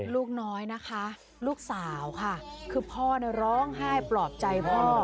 ลูกน้อยนะคะลูกสาวค่ะคือพ่อเนี่ยร้องไห้ปลอบใจพ่อ